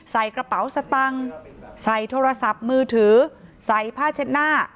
ใส่กระเป๋าสตังค์ใส่โทรศัพท์มือถือใส่ผ้าเช็ดหน้า